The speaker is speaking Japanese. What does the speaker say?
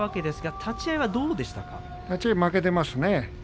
立ち合い負けていますね。